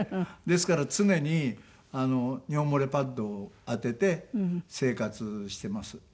ですから常に尿漏れパッドを当てて生活してます。